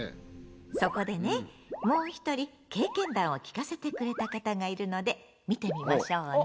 そこでねもう一人経験談を聞かせてくれた方がいるので見てみましょうね。